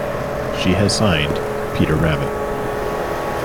She has signed "Peter Rabbit"!